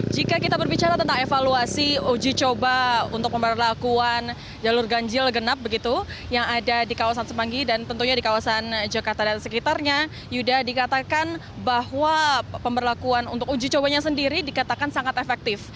jika kita berbicara tentang evaluasi uji coba untuk pemberlakuan jalur ganjil genap begitu yang ada di kawasan semanggi dan tentunya di kawasan jakarta dan sekitarnya yuda dikatakan bahwa pemberlakuan untuk uji cobanya sendiri dikatakan sangat efektif